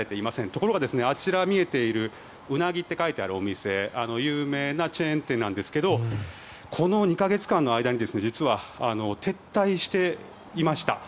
ところが、あちらに見えているウナギって書いてあるお店有名なチェーン店なんですがこの２か月間の間に実は撤退していました。